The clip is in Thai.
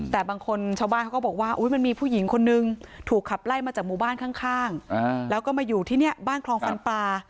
แต่บางคนชาวบ้านเขาก็บอกว่ามันมีผู้หญิงคนนึงถูกขับไล่มาจากหมู่บ้านข้างแล้วก็มาอยู่ที่นี่บ้านคลองฟันปลา